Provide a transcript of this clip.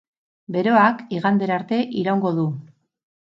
Beroak igandera arte iraungo du.